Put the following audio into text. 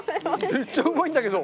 めっちゃうまいんだけど！